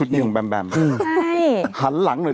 เดี๋ยวคนบอกอย่างอย่างเนี้ย